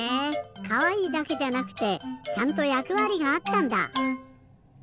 かわいいだけじゃなくてちゃんとやくわりがあったんだ！